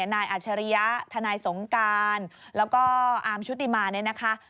อาชริยะทนายสงการแล้วก็อาร์มชุติมาเนี่ยนะคะ